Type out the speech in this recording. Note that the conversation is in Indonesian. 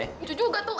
lucu juga tuh